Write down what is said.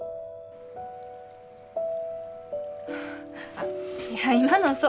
あっいや今のうそ。